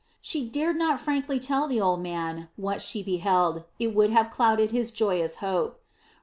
She dared not frankly tell the old man what she beheld, it would have clouded his joyous hope.